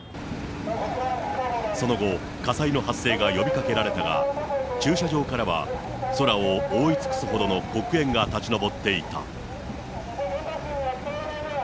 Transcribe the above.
その後、火災の発生が呼びかけられたが、駐車場からは空を覆い尽くすほどの黒煙が立ち上っていた。